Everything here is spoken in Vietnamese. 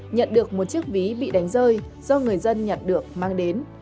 nhận được một chiếc ví bị đánh rơi do người dân nhặt được mang đến